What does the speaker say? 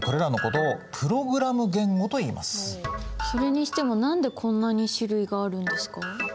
それにしても何でこんなに種類があるんですか？